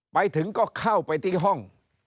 ไปถึงก็เข้าไปที่ห้อง